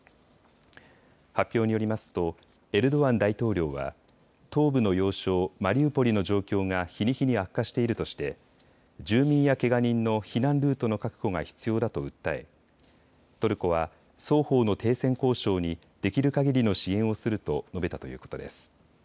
発表によりますとエルドアン大統領は東部の要衝マリウポリの状況が日に日に悪化しているとして住民やけが人の避難ルートの確保が必要だと訴えトルコは双方の停戦交渉にできるかぎりの支援をすると述べたということです。